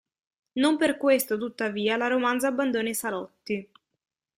Non per questo tuttavia la romanza abbandona i salotti.